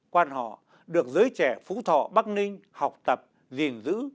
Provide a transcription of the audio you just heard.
quan họ được giới trẻ phú thọ bắc ninh học tập gìn giữ